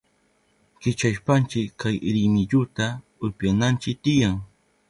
Kichashpanchi kay rimilluta upyananchi tiyan.